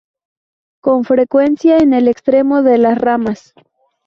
Con frecuencia en el extremo de las ramas.